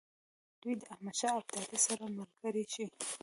دوی د احمدشاه ابدالي سره ملګري شي.